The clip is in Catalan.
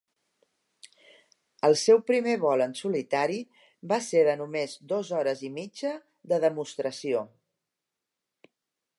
El seu primer vol en solitari va ser de només dos hores i mitja de demostració.